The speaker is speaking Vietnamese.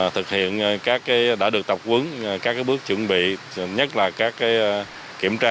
thực hiện các cái đã được tập quấn các bước chuẩn bị nhất là các cái kiểm tra